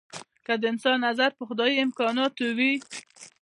که د انسان نظر په خدايي امکاناتو وي.